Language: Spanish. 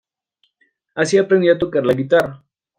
Así aprendió a tocar la guitarra.